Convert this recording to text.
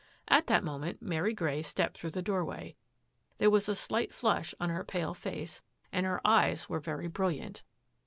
At that moment Mary Grey stepped through the doorway. There was a slight flush on her pale face and her eyes were very brilliant.